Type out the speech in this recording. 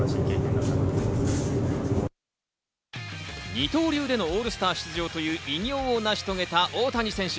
二刀流でのオールスター出場という偉業を成し遂げた大谷選手。